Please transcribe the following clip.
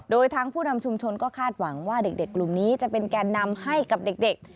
โดยทางผู้นำชุมชนก็คาดหวังว่าเด็กกลุ่มนี้จะเป็นแก่นำให้กับเด็ก